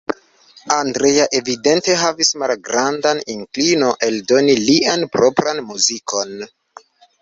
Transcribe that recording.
Andrea evidente havis malgrandan inklino eldoni lian propran muzikon.